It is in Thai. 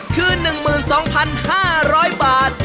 คือ๑๒๕๐๐บาท